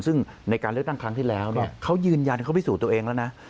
ซึ่งในการเลือกตั้งครั้งที่แล้วเนี่ยเขายืนยันเขาพิสูจน์ตัวเองแล้วนะ